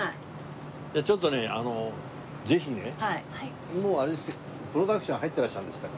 じゃあちょっとねあのぜひねもうあれプロダクションは入ってらっしゃるんでしたっけ？